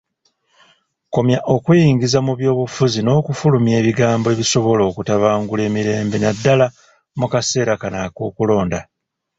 Komya okweyingiza mu by'obufuzi n'okufulumya ebigambo ebisobola okutabangula emirembe naddala mu kaseera kano ak'okulonda.